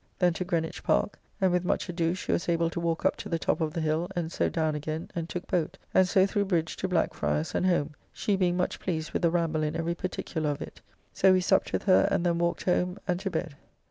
Then to Greenwich Park; and with much ado she was able to walk up to the top of the hill, and so down again, and took boat, and so through bridge to Blackfryers, and home, she being much pleased with the ramble in every particular of it. So we supped with her, and then walked home, and to bed.